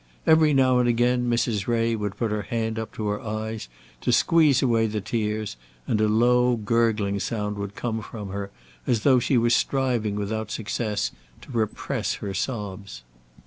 Every now and again Mrs. Ray would put her hand up to her eyes to squeeze away the tears, and a low gurgling sound would come from her, as though she were striving without success to repress her sobs.